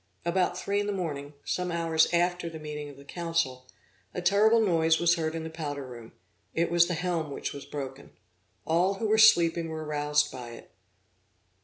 About three in the morning, some hours after the meeting of the council, a terrible noise was heard in the powder room; it was the helm which was broken. All who were sleeping were roused by it.